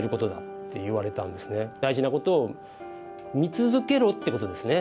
大事なことを見続けろっていうことですね。